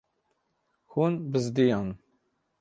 Hûn bizdiyan.